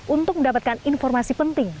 untuk mendapatkan informasi yang lebih baik